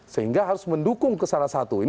sehingga harus mendukung ke salah satu ini